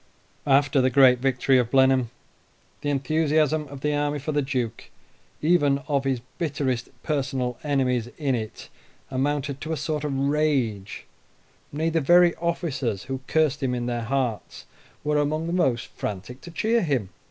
After the great victory of Blenheim the enthusiasm of the army for the Duke, even of his bitterest personal enemies in it, amounted to a sort of rage nay, the very officers who cursed him in their hearts were among the most frantic to cheer him.